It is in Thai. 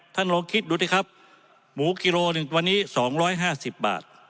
ท่านลองคิดดูดิครับหมูกิโลวะวันนี้๒๕๐บาท